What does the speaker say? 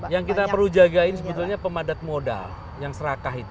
yang kita perlu jagain sebetulnya pemadat modal yang serakah itu